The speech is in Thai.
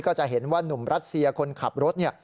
ก็จะเห็นว่านุ่มรัสเซียคนขับรถเนี่ย